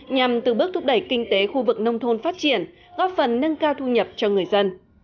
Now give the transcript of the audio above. nhằm từ bước thúc đẩy kinh tế khu vực nông thôn phát triển góp phần nâng cao thu nhập cho người dân